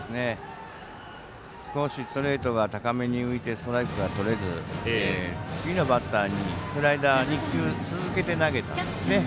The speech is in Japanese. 少しストレートが高めに浮いてストライクがとれず次のバッターにスライダー２球続けて投げてるんですね。